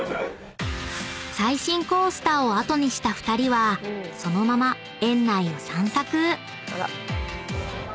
［最新コースターを後にした２人はそのまま園内を散策］